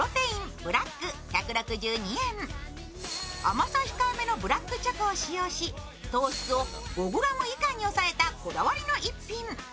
甘さ控えめのブラックチョコを使用し糖質を５Ｇ以下に抑えたこだわりの逸品。